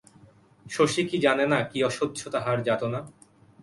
শশী কি জানে না, কী অসহ্য তাহার যাতনা?